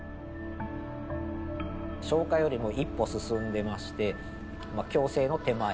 消化よりも一歩進んでましてまあ共生の手前。